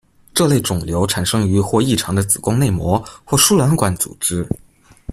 这类肿瘤产生于或异常的子宫内膜或输卵管组织。